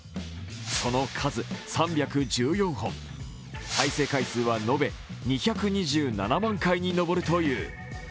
その数３１４本、再生回数は延べ２２７万回に上るという。